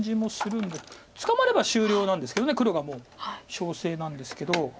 捕まれば終了なんですけど黒がもう勝勢なんですけど。